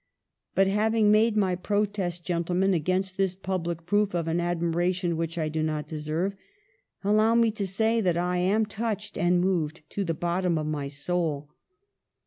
"But having made my protest, gentlemen, against this public proof of an admiration which I do not deserve, allow me to say that I am touched and moved to the bottom of my soul.